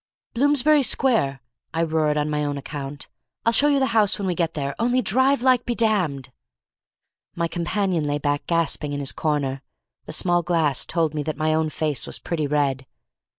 "Bloomsbury Square," I roared on my own account, "I'll show you the house when we get there, only drive like be damned!" My companion lay back gasping in his corner. The small glass told me that my own face was pretty red.